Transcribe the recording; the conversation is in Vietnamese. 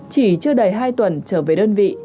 chỉ chưa đầy hai tuần trở về đơn vị